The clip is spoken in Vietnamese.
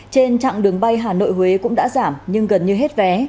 trên chặng đường bay hà nội huế cũng đã giảm nhưng gần như hết vé